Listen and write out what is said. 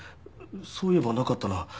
そういえばなかったな。